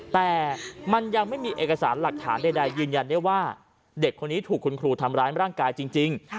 แต่มันยังไม่มีเอกสารหลักฐานใดยืนยันได้ว่าเด็กคนนี้ถูกคุณครูทำร้ายร่างกายจริง